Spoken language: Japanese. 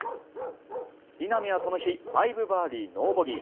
稲見はこの日５バーディー、ノーボギー。